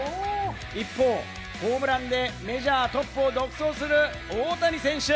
一方、ホームランでメジャートップを独走する大谷選手。